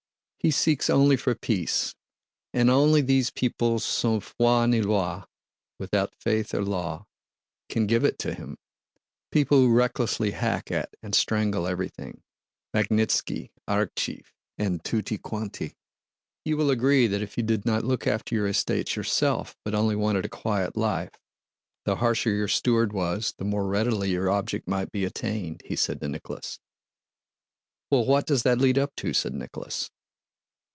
"He seeks only for peace, and only these people sans foi ni loi * can give it him—people who recklessly hack at and strangle everything—Magnítski, Arakchéev, and tutti quanti.... You will agree that if you did not look after your estates yourself but only wanted a quiet life, the harsher your steward was the more readily your object might be attained," he said to Nicholas. * Without faith or law. "Well, what does that lead up to?" said Nicholas.